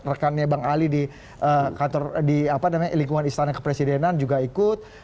rekannya bang ali di lingkungan istana kepresidenan juga ikut